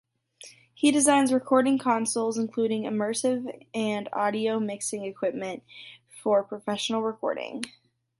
He designs recording consoles including immersive and audio mixing equipment for professional recording.